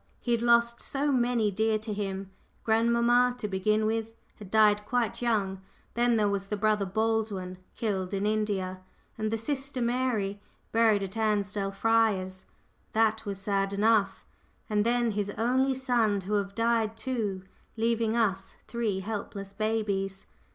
He had lost so many dear to him. Grandmamma, to begin with, had died quite young; then there was the brother Baldwin, killed in India, and the sister Mary, buried at Ansdell Friars. That was sad enough and then his only son to have died too, leaving us three helpless babies.